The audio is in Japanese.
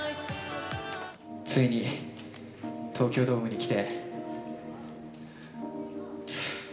ついに東京ドームに来て。